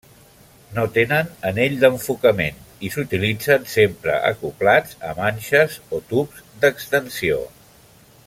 No tenen anell d'enfocament i s'utilitzen sempre acoblats a manxes o tubs d'extensió.